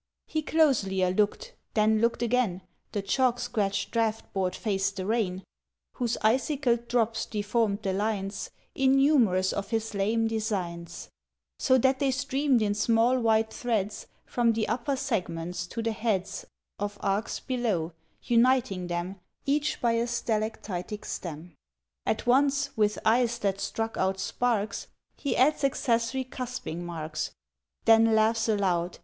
He closelier looked; then looked again: The chalk scratched draught board faced the rain, Whose icicled drops deformed the lines Innumerous of his lame designs, So that they streamed in small white threads From the upper segments to the heads Of arcs below, uniting them Each by a stalactitic stem. —At once, with eyes that struck out sparks, He adds accessory cusping marks, Then laughs aloud.